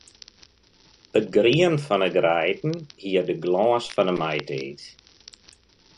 It grien fan 'e greiden hie de glâns fan 'e maitiid.